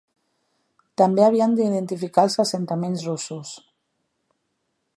També havien d'identificar els assentaments russos.